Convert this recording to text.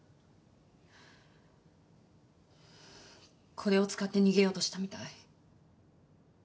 これを使って逃げようとしたみたい。